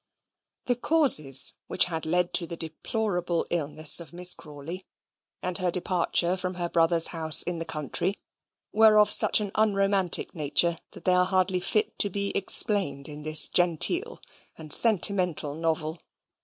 The causes which had led to the deplorable illness of Miss Crawley, and her departure from her brother's house in the country, were of such an unromantic nature that they are hardly fit to be explained in this genteel and sentimental novel.